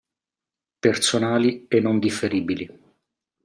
Personali e non differibili.